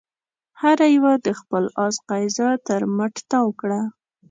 هر يوه د خپل آس قيضه تر مټ تاو کړه.